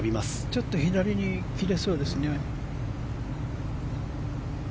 ちょっと左に切れそうですね。